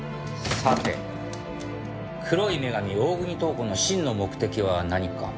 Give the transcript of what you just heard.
さて黒い女神大國塔子の真の目的は何か？